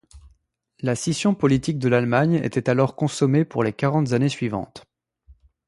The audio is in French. La scission politique de l'Allemagne était alors consommée pour les quarante années suivantes.